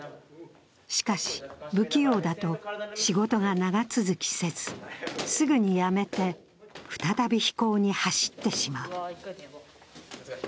しかし不器用だと仕事が長続きせず、すぐに辞めて再び非行に走ってしまう。